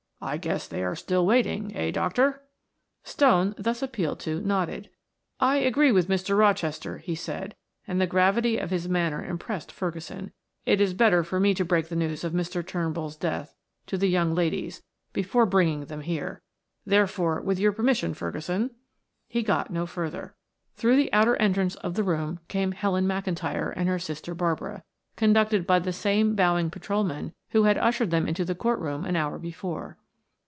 "I guess they are still waiting, eh, doctor?" Stone, thus appealed to, nodded. "I agree with Mr. Rochester," he said, and the gravity of his manner impressed Ferguson. "It is better for me to break the news of Mr. Turnbull's death to the young ladies before bringing them here. Therefore, with your permission, Ferguson" He got no further. Through the outer entrance of the room came Helen McIntyre and her sister Barbara, conducted by the same bowing patrolman who had ushered them into the court room an hour before.